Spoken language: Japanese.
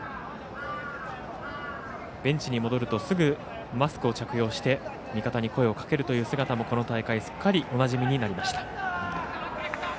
ベンチに戻るとすぐマスクを着用して味方に声をかけるという姿もこの大会すっかりおなじみになりました。